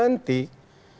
ada yang akan menang